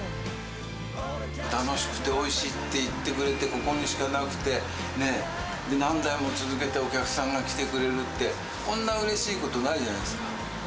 楽しくておいしいって言ってくれて、ここにしかなくて、ね、何代も続けてお客さんが来てくれるって、こんなうれしいことないじゃないですか。